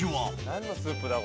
何のスープだ？